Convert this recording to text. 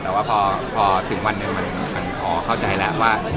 แต่ว่าพอถึงวันหนึ่งมันเข้าใจแล้วว่า